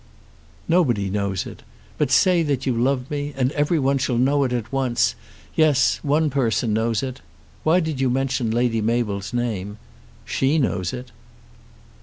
"Nobody knows it. But say that you love me, and everyone shall know it at once. Yes; one person knows it. Why did you mention Lady Mabel's name? She knows it."